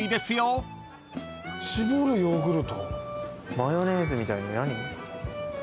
・マヨネーズみたい。